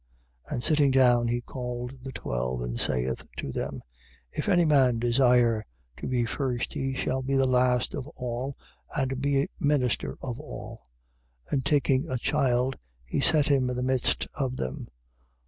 9:34. And sitting down, he called the twelve and saith to them: If any man desire to be first, he shall be the last of all and be minister of all. 9:35. And taking a child, he set him in the midst of them.